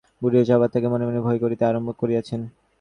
গুরুজি আবার তাকে মনে মনে ভয় করিতে আরম্ভ করিয়াছেন।